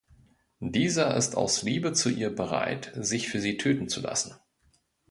Dieser ist aus Liebe zu ihr bereit, sich für sie töten zu lassen.